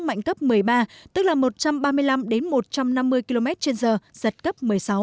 mạnh cấp một mươi ba tức là một trăm ba mươi năm một trăm năm mươi km trên giờ giật cấp một mươi sáu